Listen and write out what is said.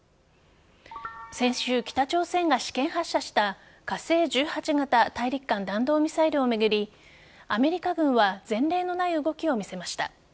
先週、北朝鮮が試験発射した火星１８型大陸間弾道ミサイルを巡りアメリカ軍は前例のない動きを見せました。